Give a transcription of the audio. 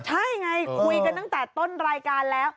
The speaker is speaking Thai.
ใช่ไงคุยกันตั้งแต่ต้นรายการแล้ว